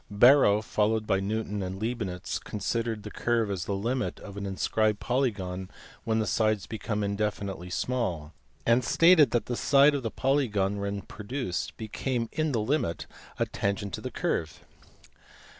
Barrow, followed by Newton and Leibnitz, considered a curve as the limit of an inscribed polygon when the sides become indefinitely small, and stated that a side of the polygon when produced became in the limit a tangent to the curve.